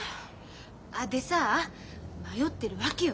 あでさ迷ってるわけよ。